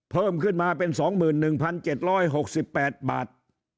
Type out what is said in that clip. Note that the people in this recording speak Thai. เพิ่มขึ้นมาเป็น๒๑๗๖๘บาท